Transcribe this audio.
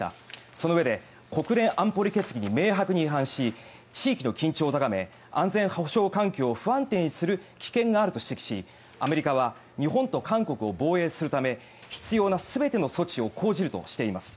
そのうえで国連安保理決議に明白に違反し地域の緊張を高め安全保障関係を不安定にする危険があると指摘しアメリカは日本と韓国を防衛するため必要な全ての措置を講じるとしています。